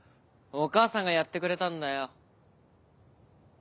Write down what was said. お母さんがやってくれたんだよ。